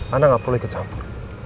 anda nggak perlu ikut campur